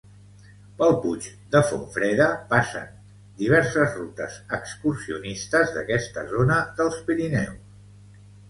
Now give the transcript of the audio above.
Pel Puig de Fontfreda passen diverses rutes excursionistes d'aquesta zona dels Pirineus.